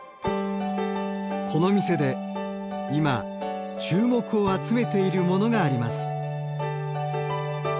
この店で今注目を集めているモノがあります。